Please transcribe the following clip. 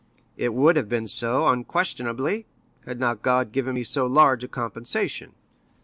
"It would have been so unquestionably, had not God given me so large a compensation.